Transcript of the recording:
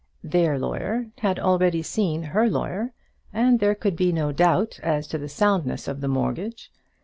Their lawyer had already seen her lawyer, and there could be no doubt as to the soundness of the mortgage.